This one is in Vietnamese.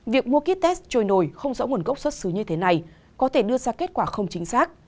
việc mua kit test trôi nổi không rõ nguồn gốc xuất xứ như thế này có thể đưa ra kết quả không chính xác